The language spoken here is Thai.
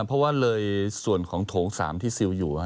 เพราะว่าเลยส่วนของโถง๓ที่ซิลอยู่